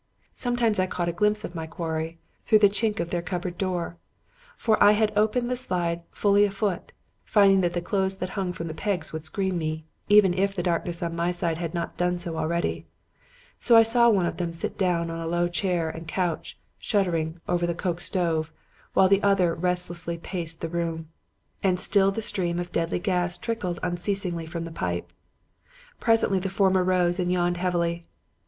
Sometimes I caught a glimpse of my quarry through the chink of their cupboard door; for I had opened the slide fully a foot, finding that the clothes that hung from the pegs would screen me, even if the darkness on my side had not done so already. So I saw one of them sit down on a low chair and crouch, shuddering, over the coke stove, while the other restlessly paced the room. "And still the stream of deadly gas trickled unceasingly from the pipe. "Presently the former rose and yawned heavily.